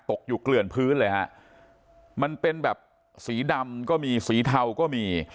ตกอยู่เกลื่อนพื้นเลยฮะมันเป็นแบบสีดำก็มีสีเทาก็มี